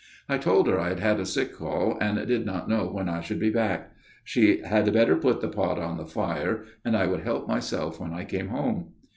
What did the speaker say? I told her I had had a sick call and did not know when I should be back ; she had better put the pot on the fire and I would help myself when I came home.